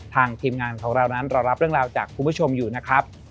ทีมงานของเรานั้นเรารับเรื่องราวจากคุณผู้ชมอยู่นะครับ